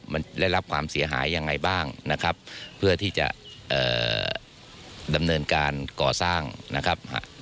มันได้รับความเสียหายยังไงบ้างนะครับเพื่อที่จะดำเนินการก่อสร้างนะครับ